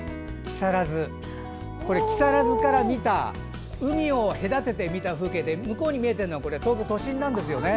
木更津から見た海を隔てて見た風景で向こうに見えているのが都心なんですよね。